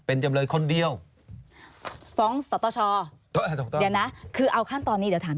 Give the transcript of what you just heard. เป็นจำเลยคนเดียวฟ้องสตชเดี๋ยวนะคือเอาขั้นตอนนี้เดี๋ยวถาม